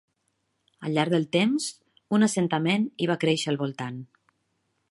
Al llarg del temps, un assentament hi va créixer al voltant.